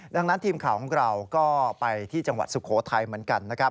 ดังนั้นทีมข่าวของเราก็ไปที่จังหวัดสุโขทัยเหมือนกันนะครับ